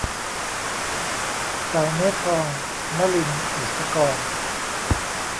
สาวเนื้อทอง - นลิน บุษกร